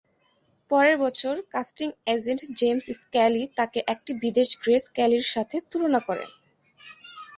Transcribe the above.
পরের বছর, casting agent James Scully তাকে "একটি বিদেশী গ্রেস কেলির" সাথে তুলনা করেন।